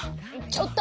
ちょっと！